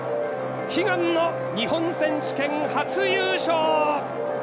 悲願の日本選手権初優勝！